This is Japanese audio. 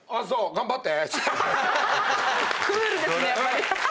「頑張って」。